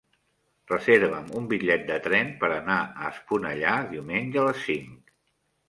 Reserva'm un bitllet de tren per anar a Esponellà diumenge a les cinc.